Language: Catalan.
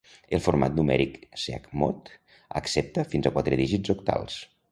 El format numèric chmod accepta fins a quatre dígits octals.